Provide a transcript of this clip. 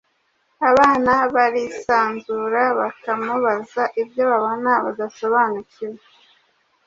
Abana barisanzura, bakamubaza ibyo babona badasobanukiwe,